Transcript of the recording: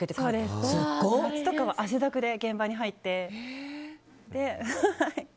すごい。夏とかは汗だくで現場に入って。